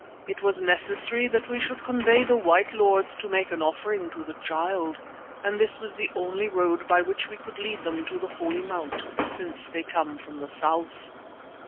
It was necessary that we should convey the white lords to make an offering to the Child, and this was the only road by which we could lead them to the Holy Mount, since they come from the south.